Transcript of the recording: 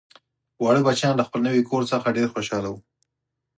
واړه بچیان له خپل نوي کور څخه ډیر خوشحاله وو